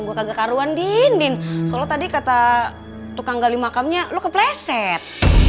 gue kagak karuan di indin soalnya tadi kata tukang gali makamnya lo kepleset